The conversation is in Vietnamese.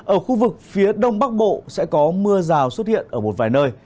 ở khu vực phía đông bắc bộ sẽ có mưa rào xuất hiện ở một vài nơi